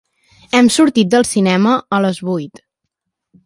Hem sortit del cinema a les vuit.